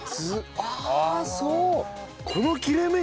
ああそう！